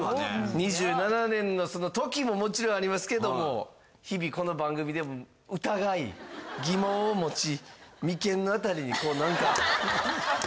２７年の時ももちろんありますけども日々この番組でも疑い疑問を持ち眉間の辺りにこうなんか。